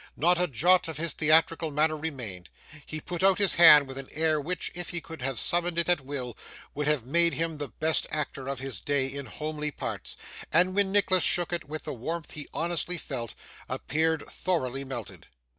Not a jot of his theatrical manner remained; he put out his hand with an air which, if he could have summoned it at will, would have made him the best actor of his day in homely parts, and when Nicholas shook it with the warmth he honestly felt, appeared thoroughly melted.